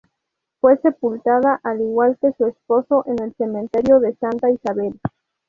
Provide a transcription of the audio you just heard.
Fue sepultada, al igual que su esposo, en el cementerio de Santa Isabel.